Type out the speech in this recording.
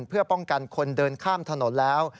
เพื่อป้องกันคนเดินข้ามถนนแล้ว